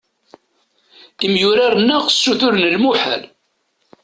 Imyurar-nneɣ ssuturen lmuḥal.